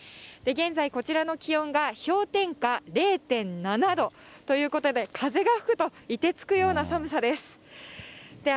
現在こちらの気温が氷点下０．７度。ということで、風が吹くといてつくような寒さです。